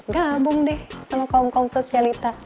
gabung deh sama kaum kaum sosialita